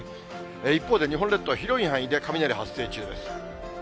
一方、日本列島は広い範囲で雷発生中です。